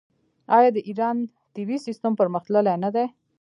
آیا د ایران طبي سیستم پرمختللی نه دی؟